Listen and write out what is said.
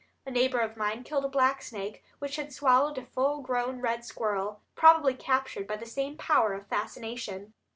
A neighbor of mine killed a black snake which had swallowed a full grown red squirrel, probably captured by the same power of fascination.